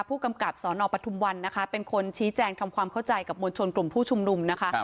ผู้กำกับสนปทุมวันนะคะเป็นคนชี้แจงทำความเข้าใจกับมวลชนกลุ่มผู้ชุมนุมนะคะ